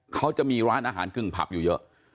เขาจะมีร้านอาหารกึ่งผับอยู่เยอะ